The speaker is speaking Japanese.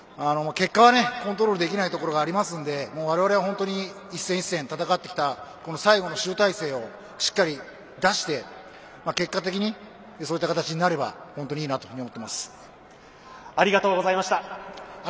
結果はコントロールできないところがありますので我々は本当に一戦一戦戦ってきた最後の集大成を、しっかり出して結果的にそういった形になればありがとうございました。